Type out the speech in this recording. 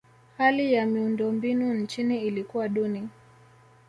hali ya miundombinu nchini ilikuwa duni